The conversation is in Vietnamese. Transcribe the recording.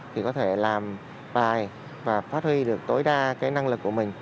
thì có thể làm bài và phát huy được tối đa cái năng lực của mình